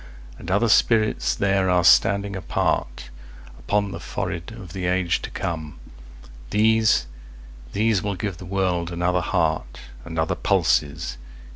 And other spirits there are standing apartUpon the forehead of the age to come; These, these will give the world another heartAnd other pulses.